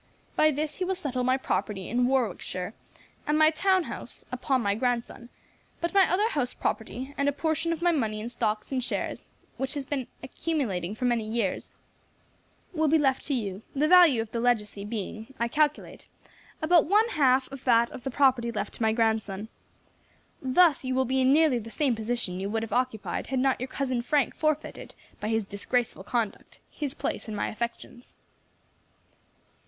By this he will settle my property in Warwickshire, and my town house, upon my grandson; but my other house property, and a portion of my money in stocks and shares, which has been accumulating for many years, will be left to you, the value of the legacy being, I calculate, about one half of that of the property left to my grandson. Thus you will be in nearly the same position you would have occupied had not your cousin Frank forfeited, by his disgraceful conduct, his place in my affections."